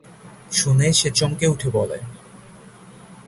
শুনে সে চমকে উঠে বলে।